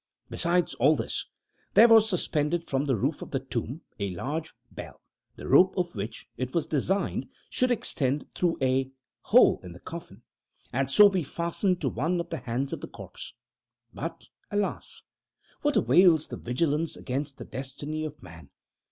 Besides all this, there was suspended from the roof of the tomb, a large bell, the rope of which, it was designed, should extend through a hole in the coffin, and so be fastened to one of the hands of the corpse. But, alas? what avails the vigilance against the Destiny of man?